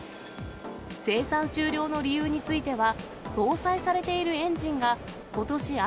生産終了の理由については、搭載されているエンジンがことし